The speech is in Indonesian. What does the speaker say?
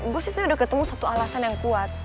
gue sih sebenarnya udah ketemu satu alasan yang kuat